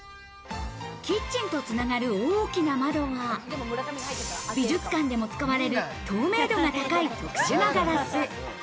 キッチンと繋がる大きな窓は美術館でも使われる透明度が高い特殊なガラス。